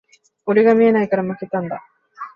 俺が見ないから負けたんだ